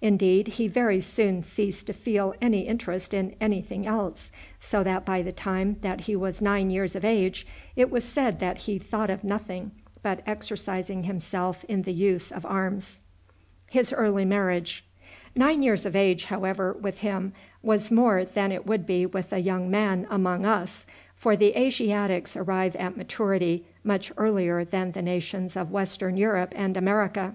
Indeed, he very soon ceased to feel any interest in any thing else, so that by the time that he was nine years of age it was said that he thought of nothing but exercising himself in the use of arms. Nine years of age, however, with him was more than it would be with a young man among us, for the Asiatics arrive at maturity much earlier than the nations of Western Europe and America.